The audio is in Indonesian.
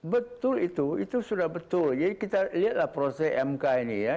betul itu itu sudah betul jadi kita lihatlah proses mk ini ya